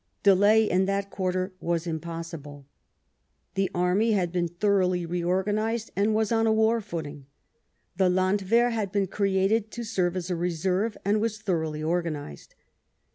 Delay in that quarter was impossible. The army had been thoroughly reorganised, and was on a war footing. The Landwehr had been created to serve as a reserve, and was thoroughly organised.